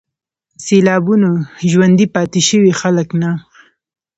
سېلابونو ژوندي پاتې شوي خلک نه